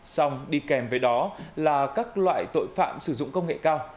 xong đi kèm với đó là các loại tội phạm sử dụng công nghệ cao